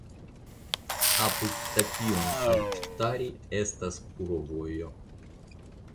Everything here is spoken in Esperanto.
Apud "Tapion alttari" estas kurovojo.